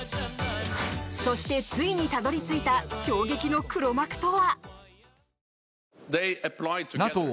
そして、ついにたどり着いた衝撃の黒幕とは？